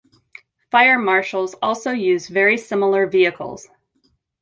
Fire Marshals also use very similar vehicles.